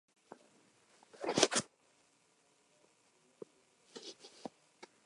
Sin embargo nada de eso ha sido probado a la fecha.